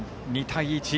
２対１。